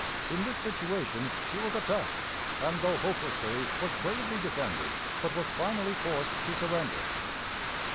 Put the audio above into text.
In this situation she was attacked, and, though hopelessly, was bravely defended, but was finally forced to surrender.